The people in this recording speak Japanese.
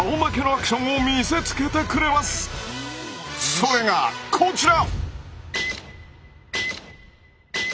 それがこちら！